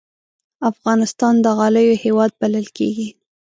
افغانستان د غالیو هېواد بلل کېږي.